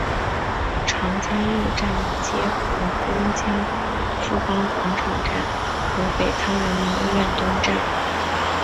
长江路站接驳公交富邦广场站和北仑人民医院东站。